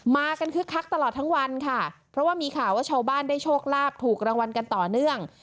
มากันคึกคักตลอดทั้งวันค่ะเพราะว่ามีข่าวว่าชาวบ้านได้โชคลาภถูกรางวัลกันต่อเนื่อง